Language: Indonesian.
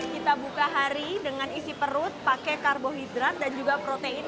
kita buka hari dengan isi perut pakai karbohidrat dan juga protein